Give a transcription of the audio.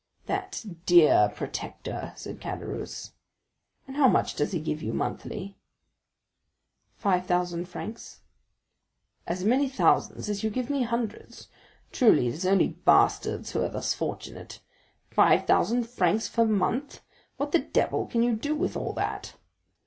"That dear protector," said Caderousse; "and how much does he give you monthly?" "Five thousand francs." "As many thousands as you give me hundreds! Truly, it is only bastards who are thus fortunate. Five thousand francs per month! What the devil can you do with all that?"